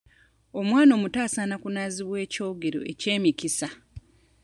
Omwana omuto asaana okunaazibwa eky'ogero eky'emikisa.